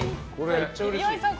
岩井さん